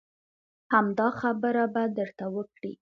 همدا خبره به درته وکړي.